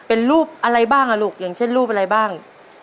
เป็นรูปอะไรบ้างอ่ะลูกอย่างเช่นรูปอะไรบ้าง